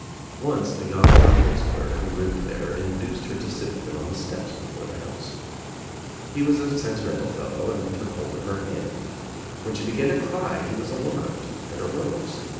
Once a young drygoods clerk who lived there induced her to sit with him on the steps before the house. He was a sentimental fellow and took hold of her hand. When she began to cry he was alarmed and arose.